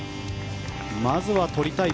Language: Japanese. まずはとりたい